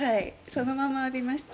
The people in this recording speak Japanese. そのまま浴びました。